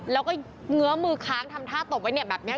แล้วก็เงั้้อมือค้างทำท่าตบไว้เนี่ย